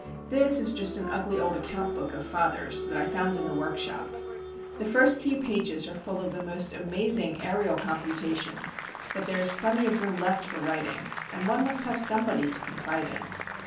This is just an ugly old account book of father's that I found in the workshop. The first few pages are full of the most amazing aërial computations; but there is plenty of room left for writing,—and one must have somebody to confide in!